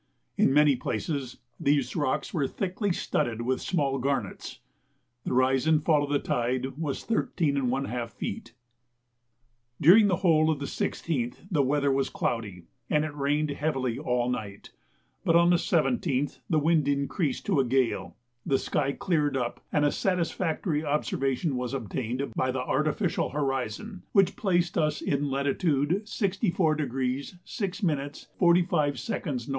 In many places these rocks were thickly studded with small garnets. The rise and fall of the tide was 13½ feet. During the whole of the 16th the weather was cloudy, and it rained heavily all night; but on the 17th the wind increased to a gale, the sky cleared up, and a satisfactory observation was obtained by the artificial horizon, which placed us in latitude 64° 6' 45" N.